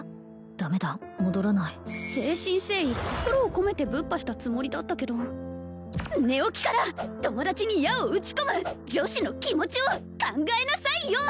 ダメだ戻らない誠心誠意心を込めてぶっぱしたつもりだったけど寝起きから友達に矢を撃ち込む女子の気持ちを考えなさいよ！